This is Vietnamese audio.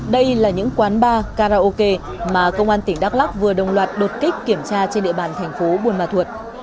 đây là những quán bar karaoke mà công an tỉnh đắk lắc vừa đồng loạt đột kích kiểm tra trên địa bàn thành phố buôn ma thuột